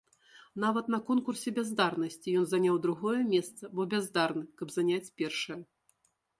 Нават на конкурсе бяздарнасці ён заняў другое месца, бо бяздарны, каб заняць першае.